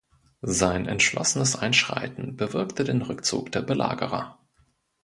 Sein entschlossenes Einschreiten bewirkte den Rückzug der Belagerer.